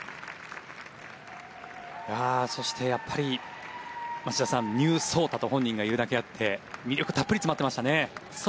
そして、町田さんニュー草太と本人が言うだけあって魅力が詰まっていましたね。